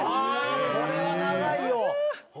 これは長いよ。